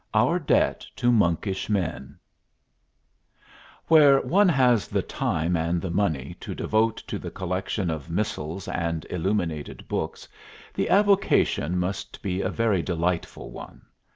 XIX OUR DEBT TO MONKISH MEN Where one has the time and the money to devote to the collection of missals and illuminated books, the avocation must be a very delightful one.